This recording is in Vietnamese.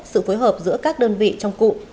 sự phối hợp giữa các đơn vị trong cụm